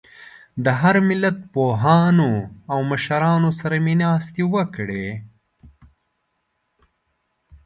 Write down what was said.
د هر ملت پوهانو او مشرانو سره مې ناستې وکړې.